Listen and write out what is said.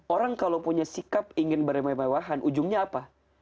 orang kalau punya sikap ingin bermewah mewahan ujungnya apa